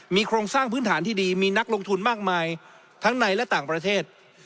มีโครงสร้างพื้นฐานที่ดีมีนักลงทุนมากมายทั้งในและต่างประเทศ